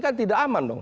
kan tidak aman dong